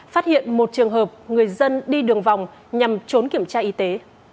phát hiện một trường hợp người dân đi đường vòng nhằm trốn kiểm tra y tế